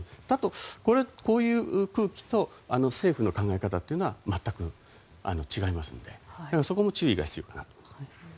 あと、こういう空気と政府の考え方というのは全く違いますのでそこも注意が必要かと思います。